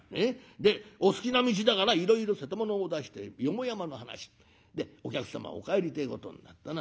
でお好きな道だからいろいろ瀬戸物を出して四方山の話。でお客様お帰りてえことになったな。